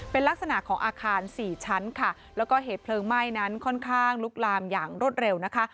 เป็นลักษณะของอาคารสี่ชั้นค่ะแล้วก็เหตุเพลิงไหม้นั้นค่อนข้างลุกลามอย่างรวดเร็วนะคะ